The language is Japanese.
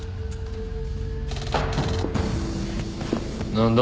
何だ？